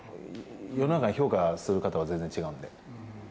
世の中、評価する方は全然違うので。